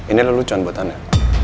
inilah lucuan buat anda